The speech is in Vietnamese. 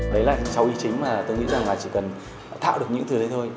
đấy là cháu ý chính mà tôi nghĩ rằng là chỉ cần thạo được những thứ đấy thôi